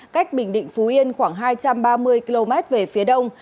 cách bình định phú yên khoảng hai trăm ba mươi km về phía đông